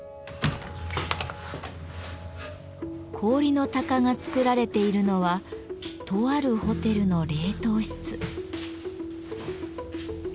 氷の鷹が作られているのはとあるホテルの冷凍室。